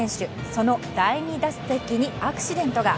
その第２打席にアクシデントが。